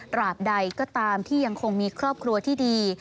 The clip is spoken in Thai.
บใดก็ตามที่ยังคงมีครอบครัวที่ดี